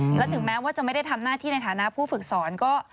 และถึงแม้ว่าจะไม่ได้ทำหน้าที่ในฐานะผู้ฝึกสอนก็